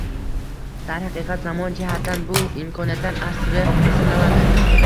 Darhaqiqat, zamon jihatdan, bu imkoniyatlar asri sanaladi